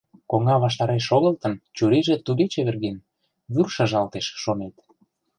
Коҥга ваштареш шогылтын, чурийже туге чеверген, вӱр шыжалтеш, шонет.